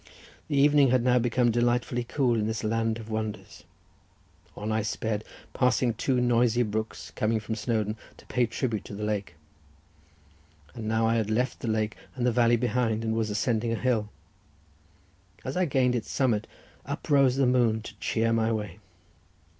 The evening had now become delightfully cool in this land of wonders. On I sped, passing by two noisy brooks coming from Snowdon to pay tribute to the lake. And now I had left the lake and the valley behind, and was ascending a hill. As I gained its summit, up rose the moon to cheer my way.